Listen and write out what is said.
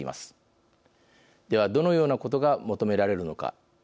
ではどのようなことが求められるのか。